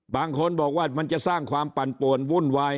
บางคนบอกว่ามันจะสร้างความปั่นป่วนวุ่นวาย